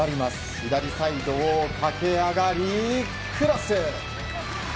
左サイドを駆け上がりクロス！